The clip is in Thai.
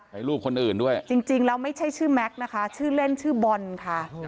ในรูปคนอื่นด้วยจริงแล้วไม่ใช่ชื่อแม็กซ์นะคะชื่อเล่นชื่อบอลค่ะ